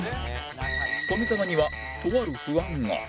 富澤にはとある不安が